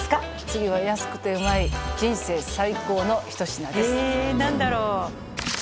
次は安くてうまい人生最高の一品ですへえ何だろう？